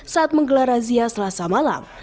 saat menggelar razia selasa malam